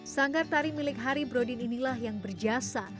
sanggar tari milik hari brodin inilah yang berjasa